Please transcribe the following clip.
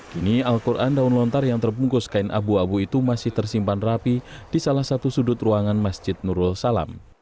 kini al quran daun lontar yang terbungkus kain abu abu itu masih tersimpan rapi di salah satu sudut ruangan masjid nurul salam